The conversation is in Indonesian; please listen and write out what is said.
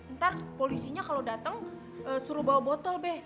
ntar polisinya kalau datang suruh bawa botol deh